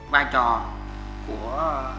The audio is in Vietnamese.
ba trò của